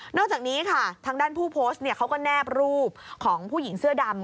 อกจากนี้ค่ะทางด้านผู้โพสต์เขาก็แนบรูปของผู้หญิงเสื้อดำ